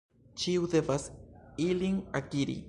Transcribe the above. Ĉiu devas ilin akiri.